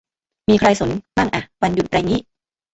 มีใครสนมั่งฮะ วันหยุดไรงี้